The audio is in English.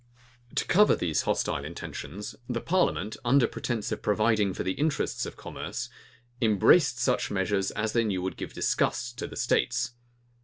To cover these hostile intentions, the parliament, under pretence of providing for the interests of commerce, embraced such measures as they knew would give disgust to the states.